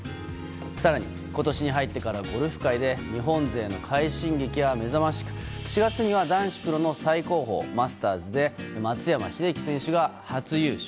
更に今年に入ってからゴルフ界の日本勢の快進撃は目覚ましく４月には男子プロの最高峰マスターズで松山英樹選手が初優勝。